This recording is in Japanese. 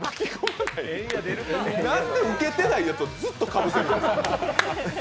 何でウケてないやつ、ずっとかぶせるんですか？